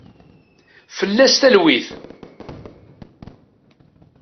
Fell-as talwit.